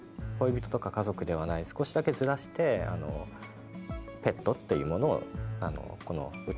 恋人とか家族ではない少しだけずらしてペットっていうものをこの歌に入れたとしたら